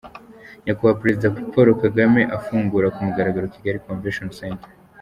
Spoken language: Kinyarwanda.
Nyakubahwa Perezida Paul Kagame afungura kumugaragaro Kigali Convention Centre